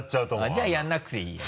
じゃあやらなくていいや。